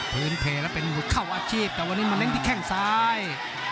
เพลแล้วเป็นหุดเข้าอาชีพแต่วันนี้มาเน้นที่แข้งซ้าย